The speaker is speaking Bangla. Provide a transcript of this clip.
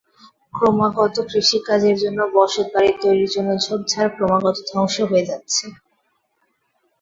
ক্রমাগত কৃষিকাজের জন্য, বসতবাড়ি তৈরির জন্য ঝোপঝাড় ক্রমাগত ধ্বংস হয়ে যাচ্ছে।